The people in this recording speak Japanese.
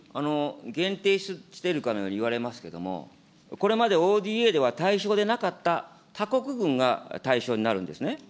限定しているかのように言われますけれども、これまでＯＤＡでは対象でなかった他国軍が対象になるんですね。